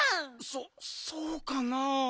そっそうかなあ。